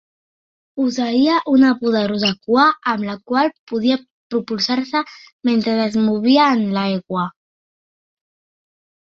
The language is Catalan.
Posseïa una poderosa cua amb la qual podia propulsar-se mentre es movia en l'aigua.